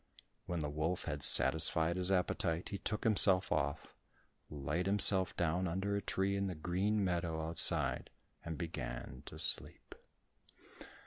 When the wolf had satisfied his appetite he took himself off, laid himself down under a tree in the green meadow outside, and began to sleep.